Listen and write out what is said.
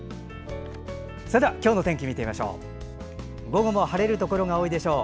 それでは今日の天気見てみましょう。